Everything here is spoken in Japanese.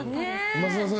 益田さん